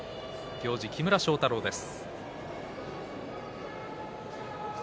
行司、木村庄太郎です。